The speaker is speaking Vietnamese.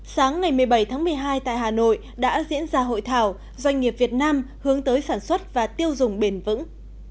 sáng ngày một mươi bảy tháng một mươi hai tại hà nội đã diễn ra hội thảo doanh nghiệp việt nam hướng tới sản xuất và tiêu dùng bền vững